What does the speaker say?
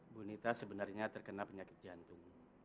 bu nita sebenarnya terkena penyakit jantung